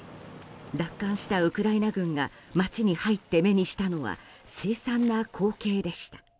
奪還したウクライナ軍が街に入って目にしたのは凄惨な光景でした。